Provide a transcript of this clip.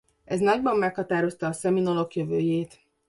Ez nagyban meghatározta a szeminolok jövőjét.